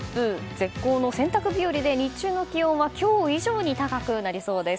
絶好の洗濯日和で日中の気温は今日以上に高くなりそうです。